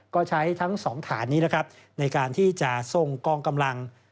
ก็ใช้ทั้ง๒ฐานนี้นะครับในการที่จะส่งกองกำลัง